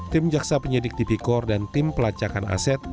tim jaksa penyidik tipikor dan tim pelacakan aset